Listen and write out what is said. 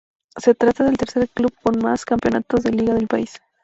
Se trata del tercer club con más campeonatos de liga del país.